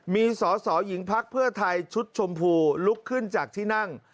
มีสอสอหญิงพักเพื่อไทยชุดชมพูลุกขึ้นจากที่นั่ง